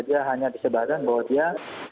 dia hanya disebaran bahwa dia